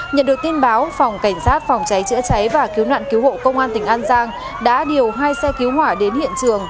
nhận được tin báo phòng cảnh sát phòng cháy chữa cháy và cứu nạn cứu hộ công an tỉnh an giang đã điều hai xe cứu hỏa đến hiện trường